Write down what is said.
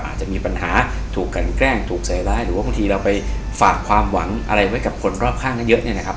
อาจจะมีปัญหาถูกกันแกล้งถูกใส่ร้ายหรือว่าบางทีเราไปฝากความหวังอะไรไว้กับคนรอบข้างเยอะเนี่ยนะครับ